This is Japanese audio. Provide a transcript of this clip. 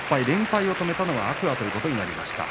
連敗を止めたのは天空海ということになります。